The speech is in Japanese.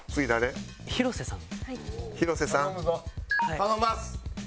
頼みます。